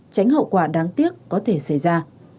tránh hậu quả đáng tiếc có thể xảy ra